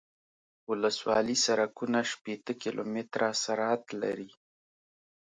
ولسوالي سرکونه شپیته کیلومتره سرعت لري